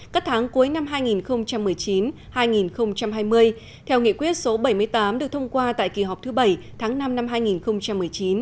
các tháng cuối năm hai nghìn một mươi chín hai nghìn hai mươi theo nghị quyết số bảy mươi tám được thông qua tại kỳ họp thứ bảy tháng năm năm hai nghìn một mươi chín